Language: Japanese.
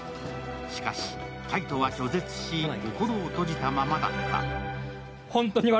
しかし海斗は拒絶し心を閉じたままだった。